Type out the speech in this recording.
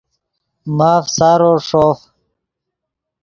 ماف سارو ݰوف